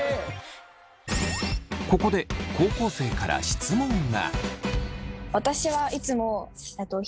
ここで高校生から質問が。